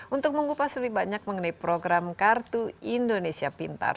untuk mengupas lebih banyak mengenai program kartu indonesia pintar